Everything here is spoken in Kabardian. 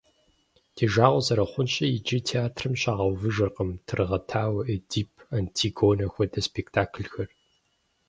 Ди жагъуэ зэрыхъунщи, иджы театрым щагъэувыжыркъым, «Тыргъэтауэ», «Эдип», «Антигонэ» хуэдэ спектаклхэр.